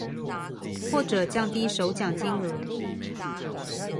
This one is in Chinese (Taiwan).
或者降低首獎金額